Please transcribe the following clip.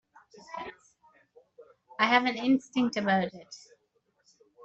I have an instinct about it.